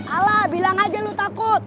ala bilang aja lu takut